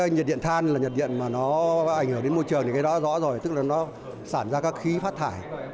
nhiệt điện than là nhiệt điện mà nó ảnh hưởng đến môi trường thì cái đó rõ rồi tức là nó sản ra các khí phát thải